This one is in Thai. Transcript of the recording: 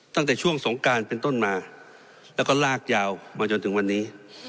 ตั้งแต่ช่วงสงการเป็นต้นมาแล้วก็ลากยาวมาจนถึงวันนี้